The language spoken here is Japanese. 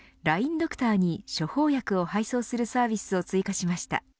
ドクターに処方薬を配送するサービスを追加しました。